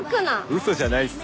ウソじゃないっす。